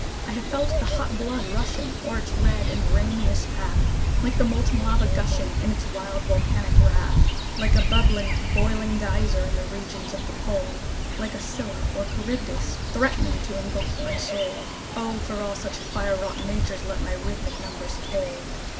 I have felt the hot blood rushing o'er its red and rameous path, Like the molten lava, gushing in its wild, volcanic wrath; Like a bubbling, boiling Geyser, in the regions of the pole; Like a Scylla or Charybdis, threatening to ingulf my soul. O, for all such fire wrought natures let my rhythmic numbers toll!